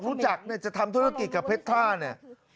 รู้จักเนี่ยจะทำธุรกิจกับเพชรท่าเนี่ย